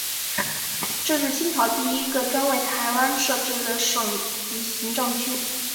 这是清朝第一个专为台湾设置的省级行政区。